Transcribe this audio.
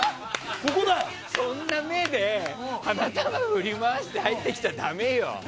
そんな目で花束を振り回して入ってきちゃだめよ。